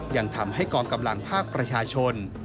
ยังทำให้กองกำลังภาคประชาชน